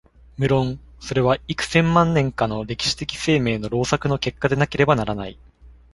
無論それは幾千万年かの歴史的生命の労作の結果でなければならない。